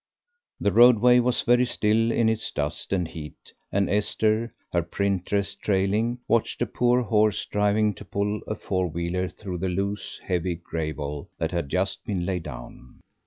The roadway was very still in its dust and heat, and Esther, her print dress trailing, watched a poor horse striving to pull a four wheeler through the loose heavy gravel that had just been laid down.